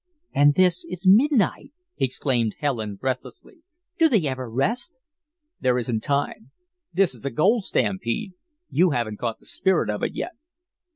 "And this is midnight!" exclaimed Helen, breathlessly. "Do they ever rest?" "There isn't time this is a gold stampede. You haven't caught the spirit of it yet."